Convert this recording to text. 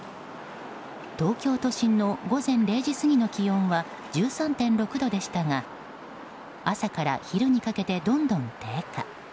東京都心の午前０時過ぎの気温は１３．６度でしたが朝から昼にかけて、どんどん低下。